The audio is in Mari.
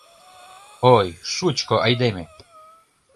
— Ой, шучко айдеме!